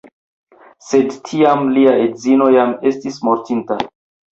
Sed tiam lia edzino jam estis mortinta.